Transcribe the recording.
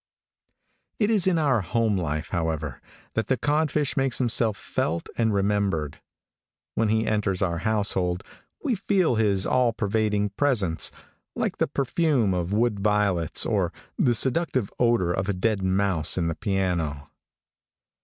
It is in our home life, however, that the codfish makes himself felt and remembered. When he enters our household, we feel his all pervading presence, like the perfume of wood violets, or the seductive odor of a dead mouse in the piano.